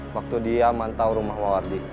waktu dia mantau rumah lawardi